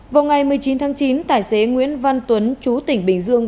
vào ngày một mươi chín tháng chín tài xế nguyễn văn tuấn chú tỉnh bình dương